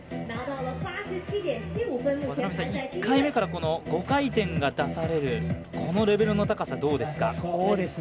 １回目から５回転が出されるこのレベルの高さ、どうですか？